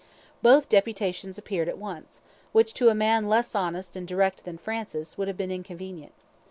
Both deputations appeared at once, which to a man less honest and direct than Francis, would have been inconvenient.